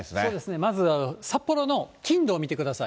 まず札幌の金、土、見てください。